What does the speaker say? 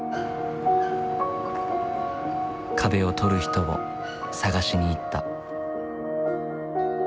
壁を撮る人を探しに行った。